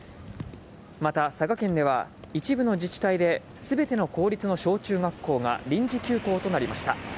また、佐賀県では、一部の自治体で全ての公立の小中学校が臨時休校となりました。